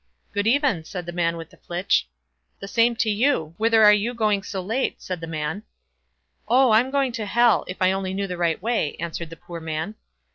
"Good even," said the man with the flitch. "The same to you; whither are you going so late?" said the man. "Oh! I'm going to Hell, if I only knew the right way," answered the poor man.